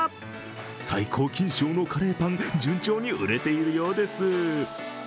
最高金賞のカレーパン、順調に売れているようです。